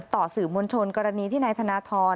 ต่อสื่อมวลชนกรณีที่นายธนทร